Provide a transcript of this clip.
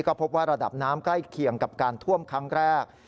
ก็พบว่าระดับน้ำใกล้เคียงกับการท่วมครั้งแรก